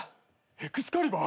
エクスカリバー！？